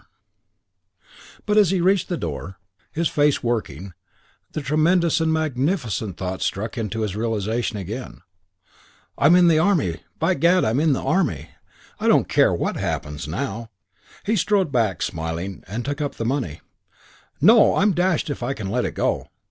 IX But as he reached the door, his face working, the tremendous and magnificent thought struck into his realisation again. "I'm in the Army! By gad, I'm in the Army. I don't care what happens now." He strode back, smiling, and took up the money. "No, I'm dashed if I can let it go!"